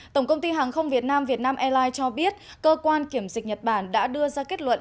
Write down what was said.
tổng công ty hàng không việt nam vietnam airlines cho biết cơ quan kiểm dịch nhật bản đã đưa ra kết luận